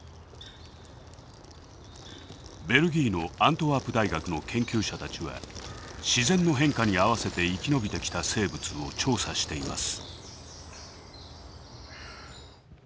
ベルギーのアントワープ大学の研究者たちは自然の変化に合わせて生き延びてきた生物を調査しています。